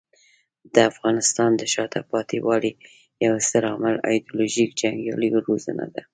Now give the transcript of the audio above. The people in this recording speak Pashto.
د افغانستان د شاته پاتې والي یو ستر عامل ایډیالوژیک جنګیالیو روزنه ده.